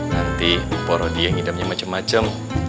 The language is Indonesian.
nanti mpok rodi yang ngidamnya macem macem